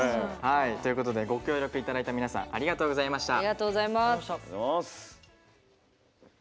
ご協力いただいた皆さん、ありがとうございました。